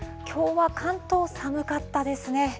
きょうは関東、寒かったですね。